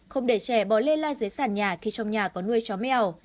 không để trẻ bỏ lây lan dưới sàn nhà khi trong nhà có nuôi chó mèo